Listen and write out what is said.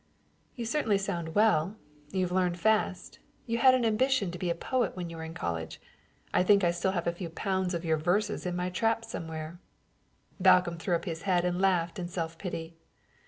"That certainly sounds well. You've learned fast. You had an ambition to be a poet when you were in college. I think I still have a few pounds of your verses in my traps somewhere." Balcomb threw up his head and laughed in self pity.